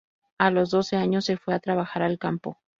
A los doce años se fue a trabajar al campo.